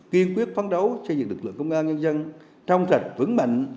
kiên quyết phóng đấu xây dựng lực lượng công an nhân dân trong sạch vững mạnh